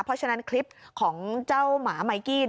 เพราะฉะนั้นคลิปของเจ้าหมาไมกี้